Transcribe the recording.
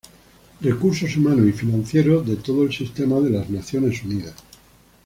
Recursos humanos y financieros de todo el sistema de las Naciones Unidas.